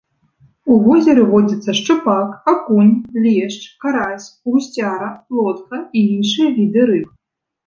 У возеры водзяцца шчупак, акунь, лешч, карась, гусцяра, плотка і іншыя віды рыб.